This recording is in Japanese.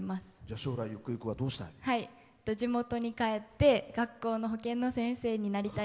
将来ゆくゆくはどうしたい？